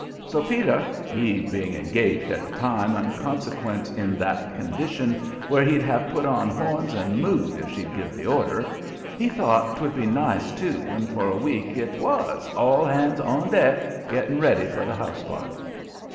So Peter he being engaged at the time and consequent in that condition where he'd have put on horns and "mooed" if she'd give the order he thought 'twould be nice, too, and for a week it was "all hands on deck!" getting ready for the "house party."